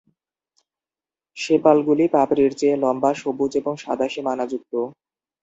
সেপালগুলি পাপড়ির চেয়ে লম্বা, সবুজ এবং সাদা সীমানাযুক্ত।